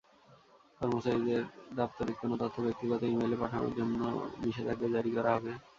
কর্মচারীদের দাপ্তরিক কোনো তথ্য ব্যক্তিগত ই-মেইলে পাঠানোর জন্যও নিষেধাজ্ঞা জারি করা হবে।